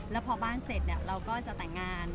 แล้วพอบ้านเสร็จเราก็จะแต่งงาน